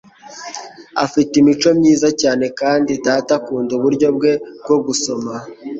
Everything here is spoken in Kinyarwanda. Afite imico myiza cyane, kandi data akunda uburyo bwe bwo gusoma.